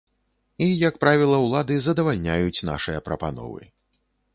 І як правіла ўлады задавальняюць нашыя прапановы.